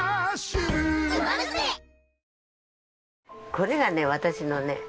これがね私のね。